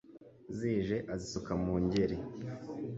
Zije azisuka mu ngeri.